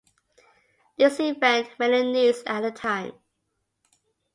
This event made the news at the time.